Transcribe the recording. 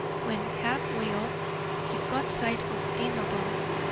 When half way up, he caught sight of Amabel.